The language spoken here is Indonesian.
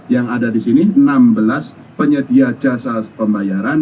yang ada di sini enam belas penyedia jasa pembayaran